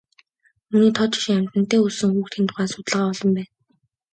Үүний тод жишээ амьтантай өссөн хүүхдийн тухай судалгаа олон байна.